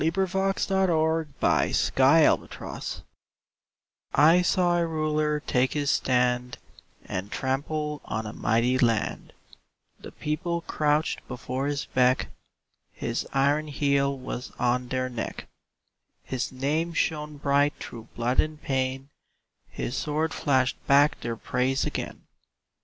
VERSE: THE THREE RULERS I saw a Ruler take his stand And trample on a mighty land; The People crouched before his beck, His iron heel was on their neck, His name shone bright through blood and pain, His sword flashed back their praise again.